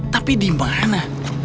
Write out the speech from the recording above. tapi di mana